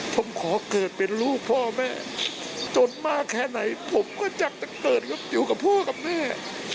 ผมขอเกิดเป็นลูกพ่อแม่จนมากแค่ไหนผมก็อยากจะเกิดครับอยู่กับพ่อกับแม่